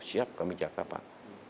siap kami jaga pak